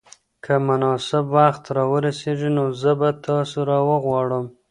که مناسب وخت را ورسېږي نو زه به تاسو راوغواړم.